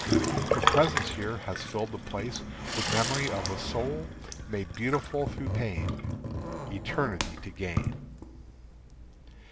Her presence here has filled the place with memory of a soul Made beautiful through pain Eternity to gain.